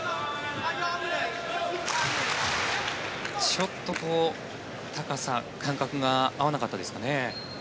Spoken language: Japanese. ちょっと高さ、感覚が合わなかったですかね。